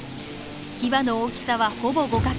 キバの大きさはほぼ互角。